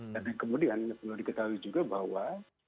dan kemudian perlu diketahui juga bahwa